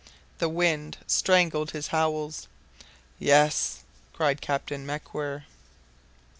The wind strangled his howls. "Yes!" cried Captain MacWhirr.